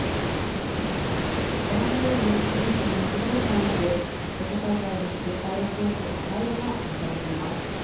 ご覧のように、九州の広い範囲で土砂災害に警戒を示す赤い色が示されています。